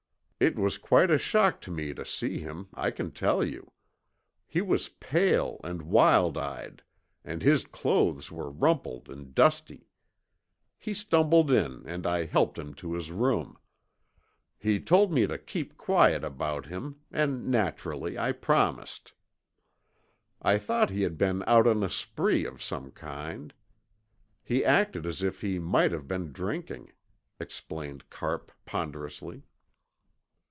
It was quite a shock to me to see him, I can tell you. He was pale and wild eyed and his clothes were rumpled and dusty. He stumbled in and I helped him to his room. He told me to keep quiet about him and naturally I promised. I thought he had been out on a spree of some kind. He acted as if he might have been drinking," explained Carpe ponderously.